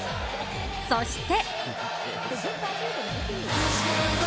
そして。